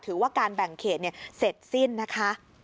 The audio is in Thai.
ถือว่าการแบ่งเขตเสร็จสิ้นนะคะ